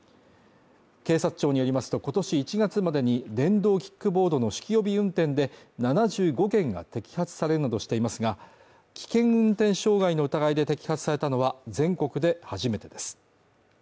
警察庁によりますと今年１月までに電動キックボードの酒気帯び運転で７５件が摘発されるなどしていますが、危険運転傷害の疑いで摘発されたのは全国で初めてです。